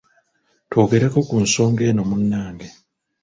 Twogereko ku nsonga eno munnange.